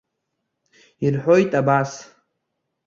Ирҳәоит абас.